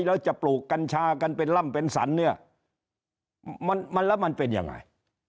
แล้วจะปลูกกัญชากันเป็นล่ำเป็นสรรเนี่ยมันแล้วมันเป็นยังไง